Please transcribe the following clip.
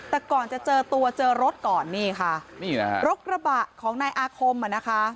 แต่ก่อนจะเจอตัวเจอรถก่อนนี่ค่ะรกระบะของในอาคมเนี่ยนะคะ